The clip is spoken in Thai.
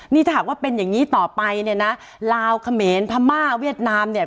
นี่ถ้าหากว่าเป็นอย่างนี้ต่อไปเนี่ยนะลาวเขมรพม่าเวียดนามเนี่ย